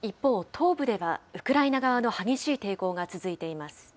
東部ではウクライナ側の激しい抵抗が続いています。